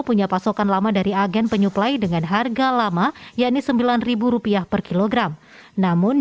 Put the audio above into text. punya pasokan lama dari agen penyuplai dengan harga lama yakni sembilan rupiah per kilogram namun